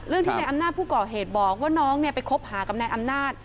ที่นายอำนาจผู้ก่อเหตุบอกว่าน้องไปคบหากับนายอำนาจ